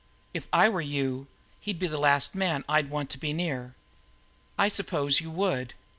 "If I were you, he'd be the last man I'd want to be near." "I suppose you would."